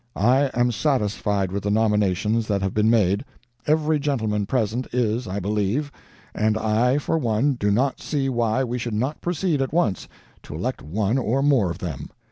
I am satisfied with the nominations that have been made every gentleman present is, I believe and I, for one, do not see why we should not proceed at once to elect one or more of them.